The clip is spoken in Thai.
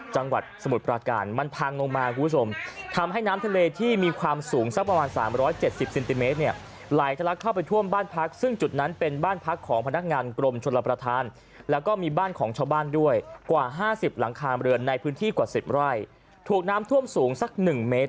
จังหวัดสมุทรปราการมันพังลงมาคุณผู้สมทำให้น้ำทะเลที่มีความสูงสักประมาณสามร้อยเจ็ดสิบซินติเมตรเนี่ย